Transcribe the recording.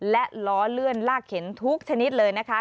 และล้อเลื่อนลากเข็นทุกชนิดเลยนะคะ